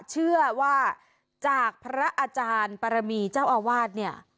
เชื่อว่าจากพระอาจารณ์ปรมีเจ้าอวาส